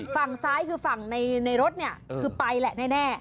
ฝั่งซ้ายคือฝั่งในรถเนี่ยคือไปแหละแน่